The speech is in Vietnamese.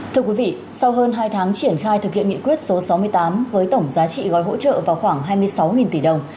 thưa quý vị sau hơn hai tháng triển khai thực hiện nghị quyết số sáu mươi tám với tổng giá trị gói hỗ trợ vào khoảng hai mươi sáu tỷ đồng